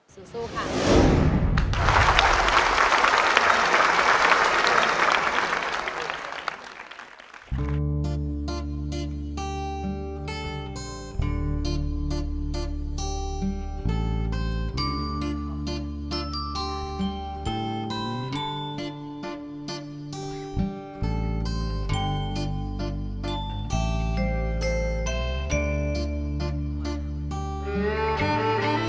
ซูซูค่ะ